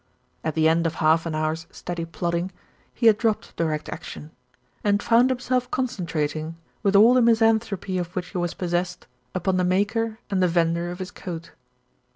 At the end of half an hour's steady plodding, he had dropped Direct Action and found himself concen trating, with all the misanthropy of which he was pos sessed, upon the maker and the vendor of his coat.